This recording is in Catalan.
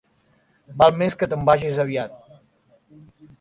Val més que te'n vagis aviat.